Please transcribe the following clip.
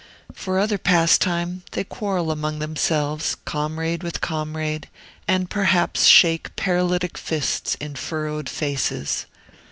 For other pastime, they quarrel among themselves, comrade with comrade, and perhaps shake paralytic fists in furrowed faces.